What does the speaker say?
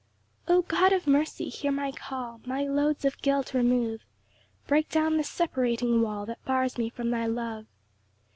1 O God of mercy! hear my call, My loads of guilt remove; Break down this separating wall That bars me from thy love.